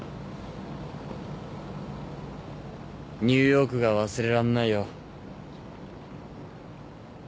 ニューヨークが忘れらんないよ。